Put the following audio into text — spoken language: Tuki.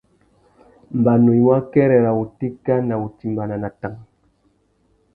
Mbanu i mú akêrê râ wutéka nà wutimbāna na tang.